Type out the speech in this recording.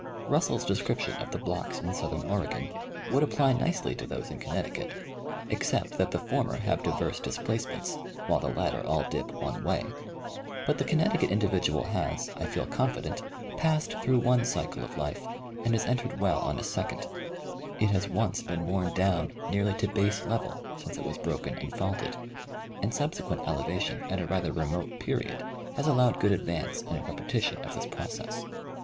Russell's de scription of the blocks in southern Oregon would apply nicely to those in Connecticut, except that the former have diverse dis placements, while the latter all dip one way ; but the Connecticut individual has, I feel confident, passed through one cycle of life and has entered well on a second ; it has once been worn down nearly to base level since it was broken and faulted, and subse quent elevation at a rather remote period has allowed good ad vance in a repetition of this process.